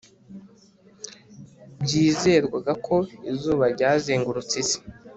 byizerwaga ko izuba ryazengurutse isi